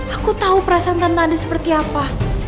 aku tahu perasaan tante andis seperti apa